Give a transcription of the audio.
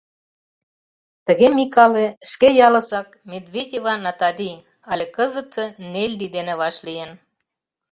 Тыге Микале шке ялысак Медведева Натали але кызытсе Нелли дене вашлийын.